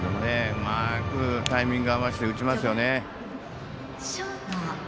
うまくタイミング合わせて打ちましたね。